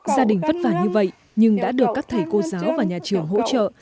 gia đình vất vả như vậy nhưng đã được các thầy cô giáo và nhà trường hỗ trợ